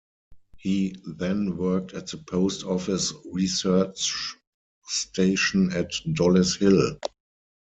He then worked at the Post Office Research Station at Dollis Hill.